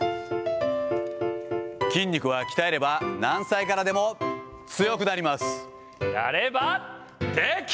筋肉は鍛えれば何歳からでも強くなります。